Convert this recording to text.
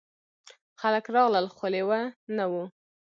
خلک راغلل خو لیوه نه و.